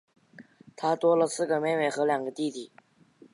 她多了四个妹妹和两个弟弟